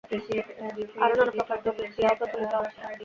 আরও নানাপ্রকার যৌগিক ক্রিয়া প্রচলিত আছে।